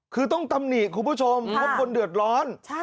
คือต้องตำหนิคุณผู้ชมเพราะคนเดือดร้อน